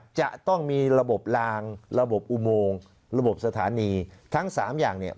จะต้องมีระบบลางระบบอุโมงระบบสถานีทั้งสามอย่างเนี่ย